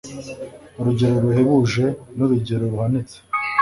urugero ruhebuje n'urugero ruhanitse